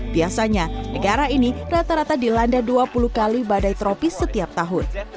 biasanya negara ini rata rata dilanda dua puluh kali badai tropis setiap tahun